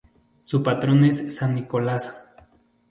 Su patrón es San Nicolás.